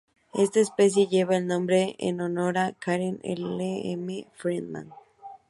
Esta especie lleva el nombre en honor a Karen L. M. Freeman.